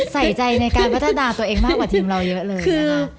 ใส่ใจในการพัฒนาตัวเองมากกว่าทีมเราเยอะเลยนะคะ